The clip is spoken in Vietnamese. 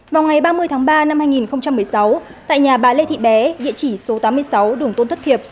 vào ngày ba mươi tháng ba năm hai nghìn một mươi sáu tại nhà bà lê thị bé địa chỉ số tám mươi sáu đường tôn thất hiệp